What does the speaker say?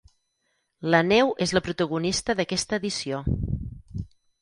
La neu és la protagonista d'aquesta edició.